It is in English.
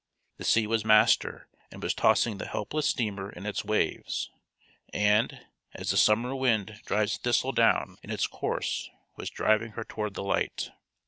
The sea was master and was tossing the helpless steamer in its waves, and, as the summer wind drives thistledown in its course, was driving her toward the light.